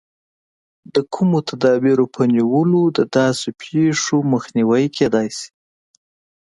د کومو تدابیرو په نیولو د داسې پېښو مخنیوی کېدای شي.